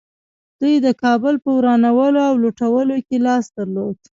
دوی د کابل په ورانولو او لوټولو کې لاس درلود